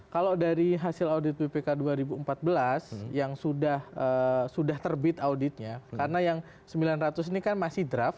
kalau dari hasil audit bpk dua ribu empat belas yang sudah terbit auditnya karena yang sembilan ratus ini kan masih draft